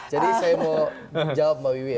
jadi saya mau jawab mbak bowie ya